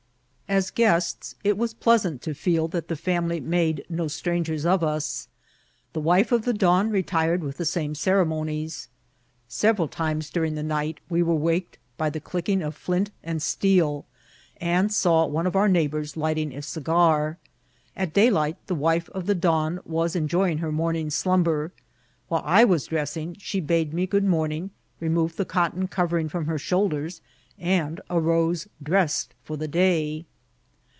As guests, it was pleasant to feel that the family made no strangers of us. The vnfe of the don retired with the same ceremonies. Several times during the night we were waked by the clicking of flint and steel, and saw one of our neighbours lifting a cigar. At daylight the wife of the don wbb enjoying her morning slumber. While I was dressing she bade me good morning, re moved the cotton covering from her shoulders, and arose dressed for the day.